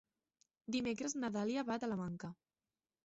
Dimecres na Dàlia va a Talamanca.